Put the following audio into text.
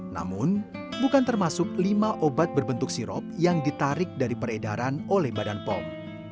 namun bukan termasuk lima obat berbentuk sirop yang ditarik dari peredaran oleh badan pom